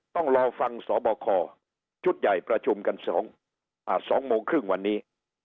ต้องรอฟังสชุดใหญ่ประชุมกันสองอ่าสองโมงครึ่งวันนี้